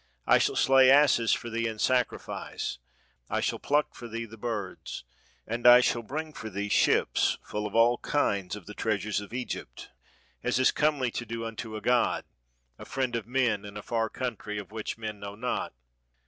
I shall slay asses for thee in sacrifice, I shall pluck for thee the birds, and I shall ' bring for thee ships full of all kinds of the treasures of Egypt, as is comely to do unto a god, a friend of men in a far country, of which men know not.'